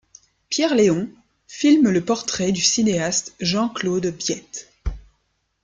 Pierre Léon filme le portrait du cinéaste Jean-Claude Biette.